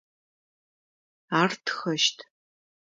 Ар тхэщт.